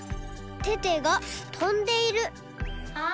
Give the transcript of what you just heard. テテがとんでいる。